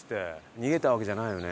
逃げたわけじゃないよね？